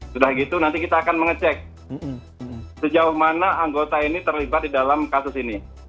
sudah gitu nanti kita akan mengecek sejauh mana anggota ini terlibat di dalam kasus ini